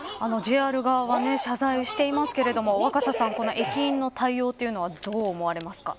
ＪＲ側は謝罪をしていますが若狭さん、駅員の対応というのはどう思われますか。